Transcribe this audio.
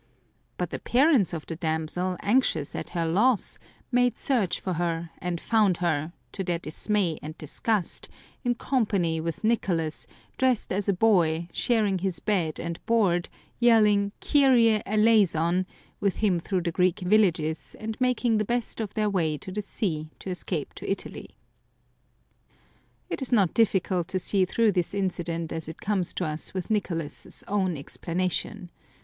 But the parents of the damsel, anxious at her loss, made search for her, and found her, to their dismay and disgust, in company with Nicolas, dressed as a boy, sharing his bed and board, yelling " Kyrie eleison !" with him through the Greek villages, and making the best of their way to the sea to escape to Italy. It is not difficult to see through this incident as it comes to us with Nicolas's own explanation.